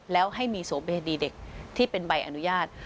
แล้วให้มีโสเบดีเด็กที่เป็นใบอนุญาต